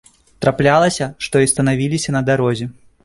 Траплялася, што і станавіліся на дарозе.